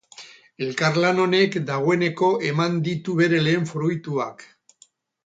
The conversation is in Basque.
Elkarlan honek dagoeneko eman ditu bere lehen fruituak.